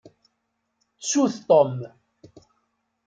Ttut Tom.